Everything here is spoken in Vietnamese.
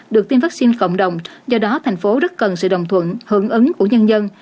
được tiêm vaccine cộng đồng do đó thành phố rất cần sự đồng thuận hưởng ứng của nhân dân